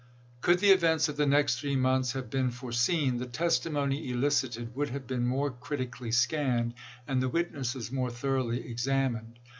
Could the events of the next three months have been foreseen the testimony elicited would have been more critically scanned and the witnesses more thoroughly examined.